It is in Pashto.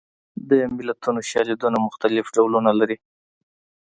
د متلونو شالیدونه مختلف ډولونه لري